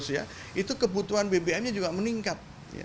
itu kebutuhan bbm nya juga meningkat